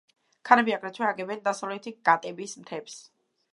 ქანები აგრეთვე აგებენ დასავლეთი გატების მთებს.